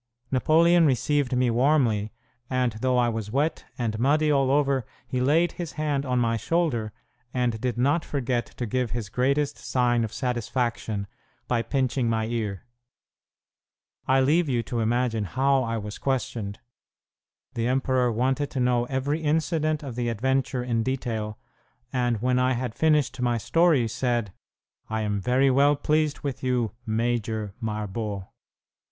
Napoleon received me warmly, and though I was wet and muddy all over, he laid his hand on my shoulder, and did not forget to give his greatest sign of satisfaction by pinching my ear. I leave you to imagine how I was questioned! The emperor wanted to know every incident of the adventure in detail, and when I had finished my story said, "I am very well pleased with you, 'Major' Marbot."